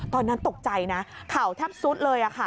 ตอนนั้นตกใจนะเข่าแทบซุดเลยค่ะ